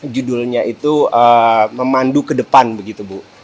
judulnya itu memandu kedepan begitu bu